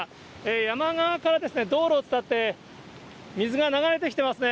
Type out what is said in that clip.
山側から道路を伝って、水が流れてきてますね。